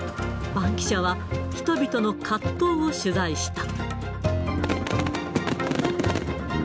バンキシャは、人々の葛藤を取材した。